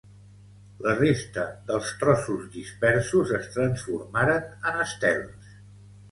La resta dels trossos dispersos es transformaran en estels.